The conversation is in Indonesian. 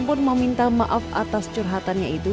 aibda aksan pun meminta maaf atas curhatannya itu